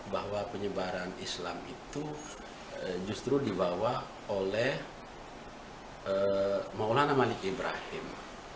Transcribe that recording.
bahwa penyebaran islam itu justru dibawa oleh maulana manik ibrahim